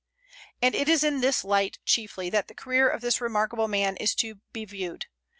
And it is in this light, chiefly, that the career of this remarkable man is to be viewed.